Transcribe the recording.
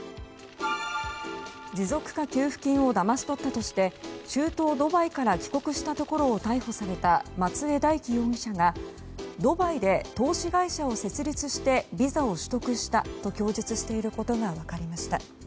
持続化給付金をだまし取ったとして中東ドバイから帰国したところを逮捕された松江大樹容疑者がドバイで投資会社を設立してビザを取得したと供述していることが分かりました。